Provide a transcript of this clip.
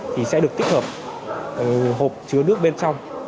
thì sẽ được tích hợp hộp chứa nước bên trong